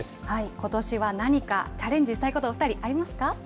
ことしは何かチャレンジしたいこと、お２人ありますか？